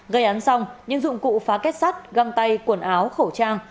gây án xong những dụng cụ phá kết sắt găng tay quần áo khẩu trang